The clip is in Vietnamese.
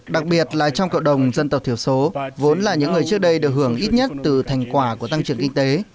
đặc biệt là trong cộng đồng dân tộc thiểu số vốn là những người trước đây được hưởng ít nhất từ thành quả của tăng trưởng kinh tế